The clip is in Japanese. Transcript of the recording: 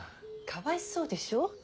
かわいそうでしょう。